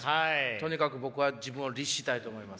とにかく僕は自分を律したいと思います。